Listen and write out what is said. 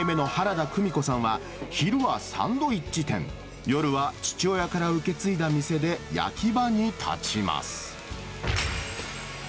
２代目の原田久美子さんは、昼はサンドイッチ店、夜は父親から受け継いだ店で焼き場に立ちます。